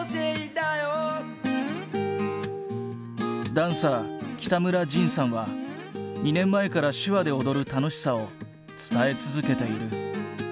ダンサー北村仁さんは２年前から手話で踊る楽しさを伝え続けている。